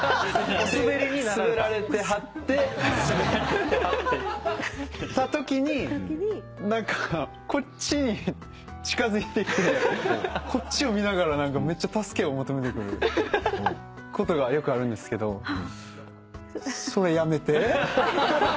スベられてはってたときに何かこっちに近づいてきてこっちを見ながらめっちゃ助けを求めてくることがよくあるんですけどそれやめて？